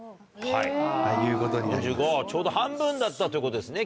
ちょうど半分だったということですね。